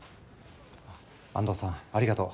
安藤さんありがとう。